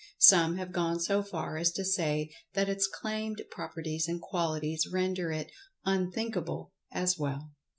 Some have gone so far as to say that its claimed properties and qualities render it "unthinkable" as well.